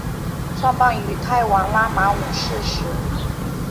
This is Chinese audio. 创办于泰王拉玛五世时。